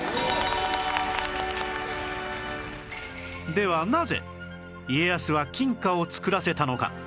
ではなぜ家康は金貨を作らせたのか？